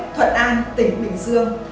thuận an tỉnh bình dương